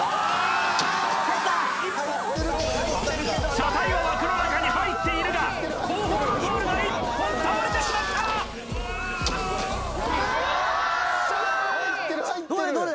車体は枠の中に入っているが後方のポールが１本倒れてしまったどれどれ？